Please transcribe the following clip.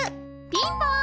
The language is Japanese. ピンポン！